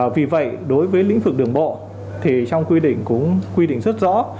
vì vậy đối với lĩnh vực đường bộ thì trong quy định cũng quy định rất rõ